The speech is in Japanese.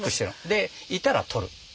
でいたら捕る。